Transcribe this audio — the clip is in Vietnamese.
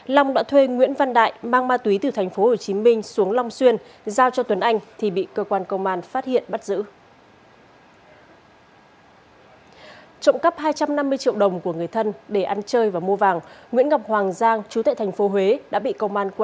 long đã thuê nguyễn văn đại mang ma túy từ tp hcm xuống long xuyên giao cho tuấn anh bị cơ quan công an phát hiện